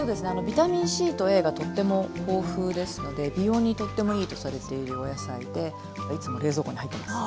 ビタミンＣとＡがとっても豊富ですので美容にとってもいいとされているお野菜でいつも冷蔵庫に入ってます。